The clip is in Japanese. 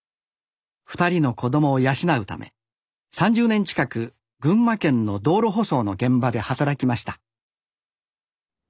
２人の子どもを養うため３０年近く群馬県の道路舗装の現場で働きました